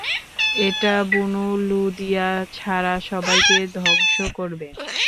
এটা বনু লূদিয়া ছাড়া সবাইকে ধ্বংস করবে।